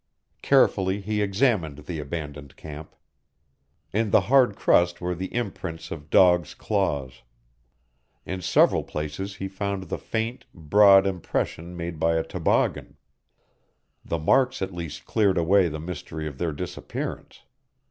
Carefully he examined the abandoned camp. In the hard crust were the imprints of dogs' claws. In several places he found the faint, broad impression made by a toboggan. The marks at least cleared away the mystery of their disappearance.